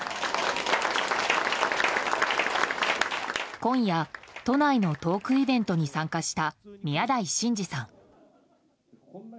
今夜、都内のトークイベントに参加した宮台真司さん。